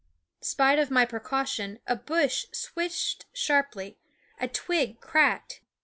Spite of my precaution, a bush swished sharply; a twig cracked.